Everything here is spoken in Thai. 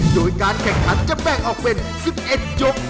โดยการแข่งขันจะแบ่งออกเป็น๑๑ยก